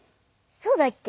そうだっけ？